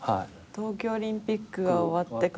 東京オリンピックが終わってから。